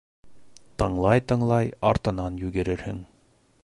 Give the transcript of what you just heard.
Тыңлай-тыңлай артынан йүгерерһең.